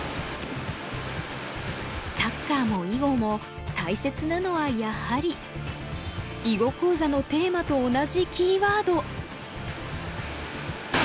サッカーも囲碁も大切なのはやはり囲碁講座のテーマと同じキーワード。